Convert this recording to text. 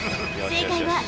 正解は、Ａ。